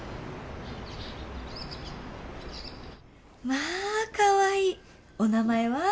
まあかわいいお名前は？